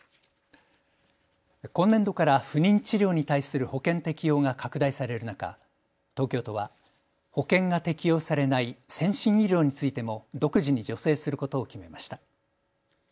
今年度から不妊治療に対する保険適用が拡大される中、東京都は保険が適用されない先進医療についても独自に助成することを決めました。